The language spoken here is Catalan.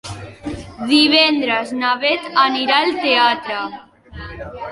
Divendres na Bet anirà al teatre.